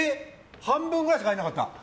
半分くらいしか入らなかった。